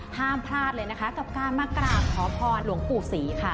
ห้ามพลาดเลยนะคะกับการมากราบขอพรหลวงปู่ศรีค่ะ